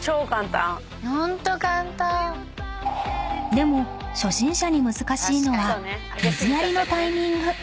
［でも初心者に難しいのは水やりのタイミング］